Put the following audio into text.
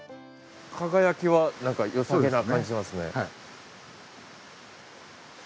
輝きはなんかよさげな感じしますね。